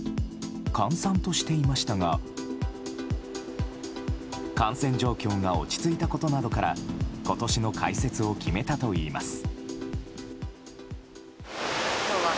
閑散としていましたが感染状況が落ち着いたことなどから今年の開設を決めたといいます。